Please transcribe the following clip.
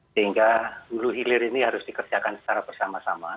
sehingga hulu hilir ini harus dikerjakan secara bersama sama